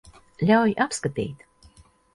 Ļauj apskatīt.